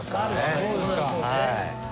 そうですか。